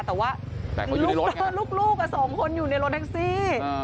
แต่ว่าลูกสองคนอยู่ในรถแท็กซี่